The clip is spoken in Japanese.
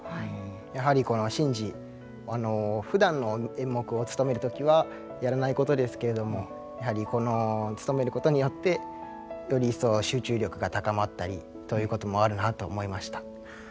やはりこの神事ふだんの演目をつとめる時はやらないことですけれどもやはりこのつとめることによってより一層集中力が高まったりということもあるなと思いました。